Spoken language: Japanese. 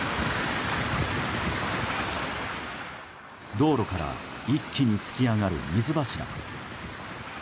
道路から一気に噴き上がる水柱。